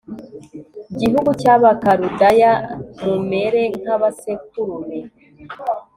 gihugu cy Abakaludaya mumere nk amasekurume